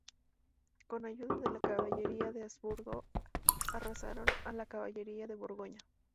Con ayuda de la caballería de Habsburgo arrasaron a la caballería de Borgoña.